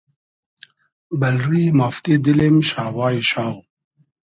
بئل رویی مافتی دیلیم شاوای شاو